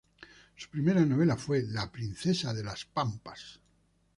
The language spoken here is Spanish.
Su primera novela fue "La princesa de las pampas".